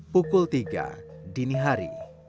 pukul tiga dini hari